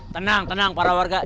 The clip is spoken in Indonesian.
tenang tenang para warga